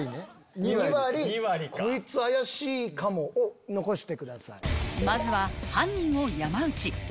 ２割こいつ怪しいかも？を残してください。